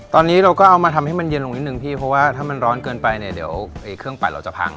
ตอนนี้เราก็เอามาทำให้มันเย็นลงนิดนึงพี่เพราะว่าถ้ามันร้อนเกินไปเนี่ยเดี๋ยวเครื่องปั่นเราจะพัง